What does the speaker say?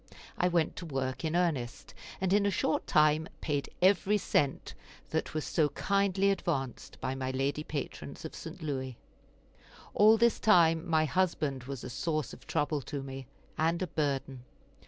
I went to work in earnest, and in a short time paid every cent that was so kindly advanced by my lady patrons of St. Louis. All this time my husband was a source of trouble to me, and a burden.